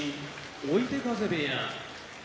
追手風部屋